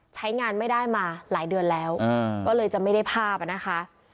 ใช้งานไม่ได้มาหลายเดือนแล้วก็เลยจะไม่ได้ภาพอ่ะนะคะ